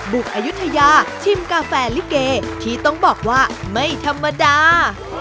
บุกอายุทยาชิมกาแฟลิเกที่ต้องบอกว่าไม่ธรรมดา